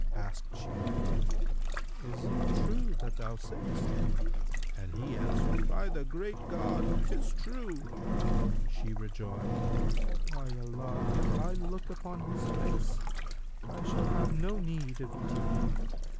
Asked she, 'Is it true that thou sayst?'; and he answered, 'By the Great God, 'tis true!' She rejoined, 'By Allah, if I look upon his face, I shall have no need of eating!'